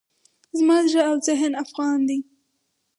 زما زړه او ذهن افغان دی.